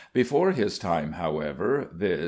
Before his time, however (viz.